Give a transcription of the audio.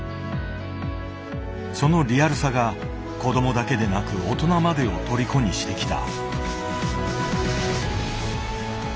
そのリアルさが子供だけでなく大人までをとりこにしてきた。